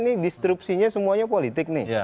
ini disrupsinya semuanya politik nih